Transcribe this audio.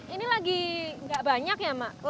ini lagi nggak banyak ya ma